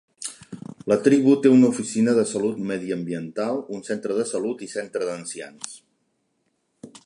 La tribu té una oficina de salut mediambiental, un centre de salut i centre d'ancians.